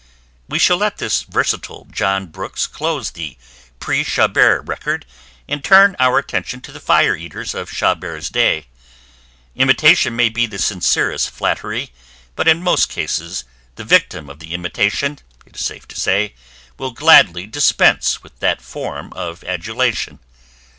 We shall let this versatile John Brooks close the pre Chabert record and turn our attention to the fire eaters of Chabert's day. Imitation may be the sincerest flattery, but in most cases the victim of the imitation, it is safe to say, will gladly dispense with that form of adulation.